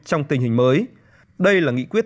trong tình hình mới đây là nghị quyết